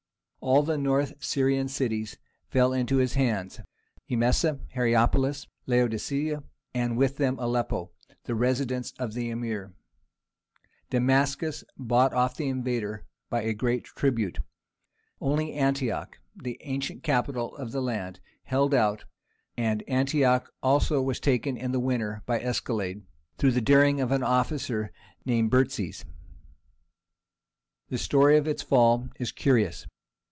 All the North Syrian cities fell into his hands—Emesa, Hierapolis, Laodicea, and with them Aleppo, the residence of the Emir: Damascus bought off the invader by a great tribute. Only Antioch, the ancient capital of the land, held out, and Antioch also was taken in the winter by escalade, through the daring of an officer named Burtzes. The story of its fall is curious.